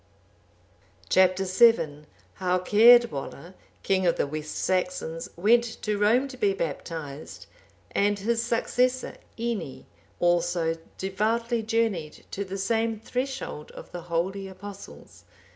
Chap. VII. How Caedwalla, king of the West Saxons, went to Rome to be baptized; and his successor Ini, also devoutly journeyed to the same threshold of the holy Apostles.